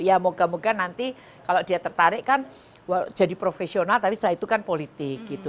ya moga moga nanti kalau dia tertarik kan jadi profesional tapi setelah itu kan politik gitu